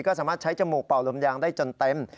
ก็สามารถใช้จมูกเป่าลมยางได้จนเต็ม